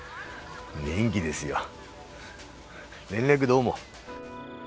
元気ですよ連絡どうも。